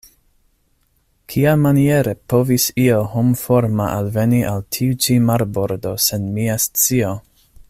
Kiamaniere povis io homforma alveni al tiu-ĉi marbordo sen mia scio?